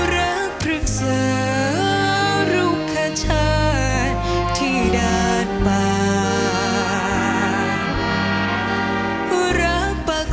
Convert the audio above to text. รักเป็นสิ้นที่สุดท้ายรักเป็นสิ้นที่สุดท้าย